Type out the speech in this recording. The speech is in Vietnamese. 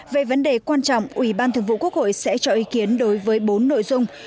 về vấn đề quan trọng ủy ban thường vụ quốc hội sẽ cho ý kiến đối với bốn nội dung